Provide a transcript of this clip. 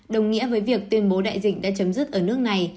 đồng nghĩa với việc tuyên bố đại dịch đã chấm dứt ở nước này